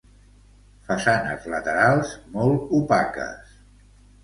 Façanes laterals molt opaques.